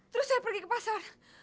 terus saya pergi ke pasar